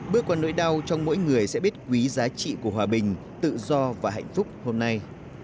bước qua nỗi đau trong mỗi người sẽ biết quý giá trị của hòa bình tự do và hạnh phúc hôm nay